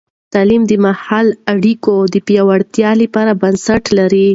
تعلیم د محلي اړیکو د پیاوړتیا لپاره بنسټ لري.